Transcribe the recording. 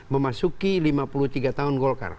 memasuki lima puluh tiga tahun golkar